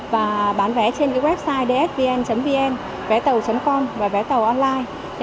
và bán vé trên website dsvn vn vé tàu com và vé tàu online